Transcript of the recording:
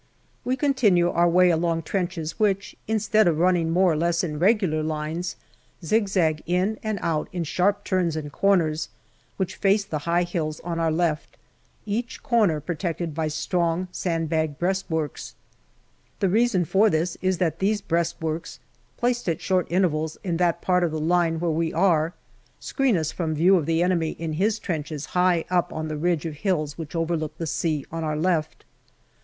We continue our way along trenches which, instead of running more or less in regular lines, zigzag in and out in sharp turns and corners, which face the high hills on our left, each corner protected by strong sand bagged breast works. The reason for this is that these breastworks, placed at short intervals in that part of the line where we are, screen us from view of the enemy in his trenches high up on the ridge of hills which overlook the sea on our left.